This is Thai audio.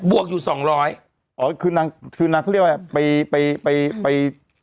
วกอยู่สองร้อยอ๋อคือนางคือนางเขาเรียกว่าไปไปไปไป